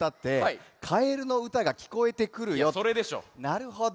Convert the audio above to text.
なるほど。